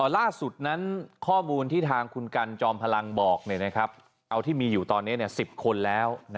ล่าสุดนั้นข้อมูลที่ทางคุณกันจอมพลังบอกเอาที่มีอยู่ตอนนี้๑๐คนแล้ว